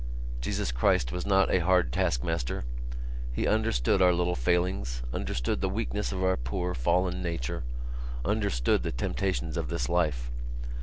Jesus Christ was not a hard taskmaster. He understood our little failings, understood the weakness of our poor fallen nature, understood the temptations of this life.